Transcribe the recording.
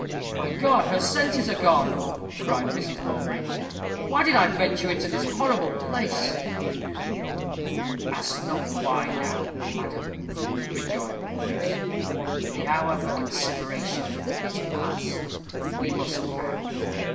"My God, her senses are gone!" cried Mrs. Mowbray. "Why did I venture into this horrible place?" "Ask not why now, madam," rejoined the priest. "The hour for consideration is past. We must act.